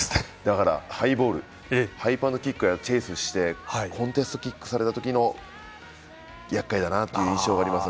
ハイボール、ハイパントキックをチェイスしてコンテストキックされた時がやっかいだなという印象です。